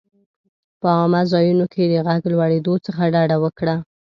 په عامه ځایونو کې د غږ لوړېدو څخه ډډه وکړه.